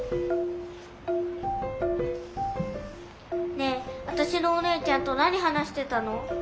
ねえわたしのお姉ちゃんと何話してたの？